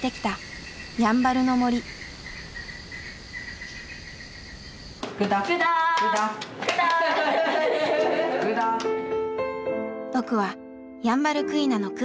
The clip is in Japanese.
僕はヤンバルクイナのクー太。